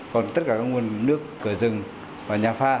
còn tất cả các nguồn nước cửa rừng và nhà pha